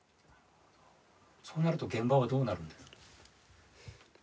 そうなると現場はどうなるんですか？